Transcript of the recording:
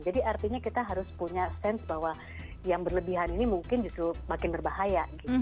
jadi artinya kita harus punya sense bahwa yang berlebihan ini mungkin justru makin berbahaya